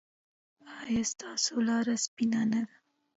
ایا ستاسو لاره سپینه نه ده؟